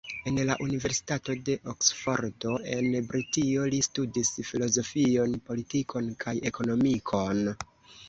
En la universitato de Oksfordo en Britio li studis filozofion, politikon kaj ekonomikon.